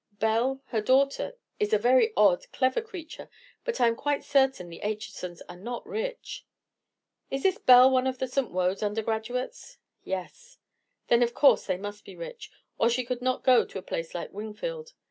Belle, her daughter, is a very odd, clever creature; but I am quite certain the Achesons are not rich." "Is this Belle one of the St. Wode's undergraduates?" "Yes." "Then, of course, they must be rich, or she could not go to a place like Wingfield.